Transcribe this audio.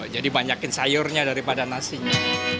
jadi banyakin sayurnya daripada nasinya